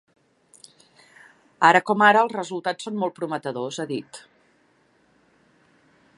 Ara com ara, els resultats són molt prometedors, ha dit.